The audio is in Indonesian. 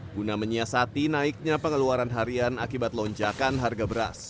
guna menyiasati naiknya pengeluaran harian akibat lonjakan harga beras